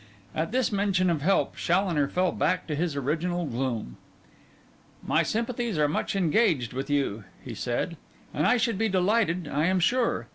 At this mention of help Challoner fell back to his original gloom. 'My sympathies are much engaged with you,' he said, 'and I should be delighted, I am sure.